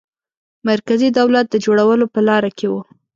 مرکزي دولت د جوړولو په لاره کې وو.